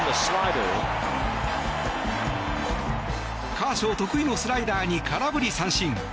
カーショー得意のスライダーに空振り三振。